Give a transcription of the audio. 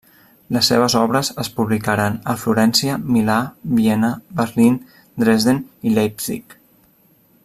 Les seves obres es publicaren a Florència, Milà, Viena, Berlín, Dresden i Leipzig.